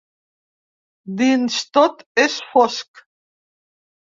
Dins tot és fosc.